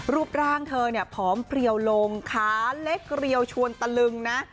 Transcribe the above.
รูปร่างเธอเนี่ยผอมเปรียวลงขาเล็กเรียวชวนตะลึงนะ